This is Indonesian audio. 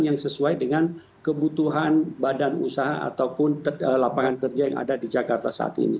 yang sesuai dengan kebutuhan badan usaha ataupun lapangan kerja yang ada di jakarta saat ini